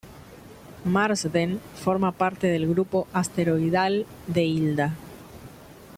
Marsden forma parte del grupo asteroidal de Hilda